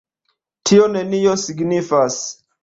Tio nenion signifas.